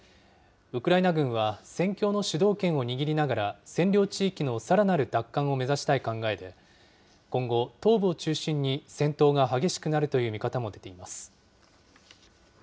ウクライナ軍は、戦況の主導権を握りながら、占領地域のさらなる奪還を目指したい考えで、今後、東部を中心に戦闘が激しくなるという見方も出ています。